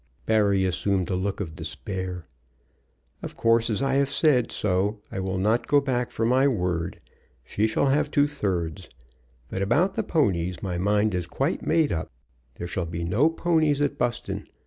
Barry assumed a look of despair. "Of course, as I have said so, I will not go back from my word. She shall have two thirds. But about the ponies my mind is quite made up. There shall be no ponies at Buston.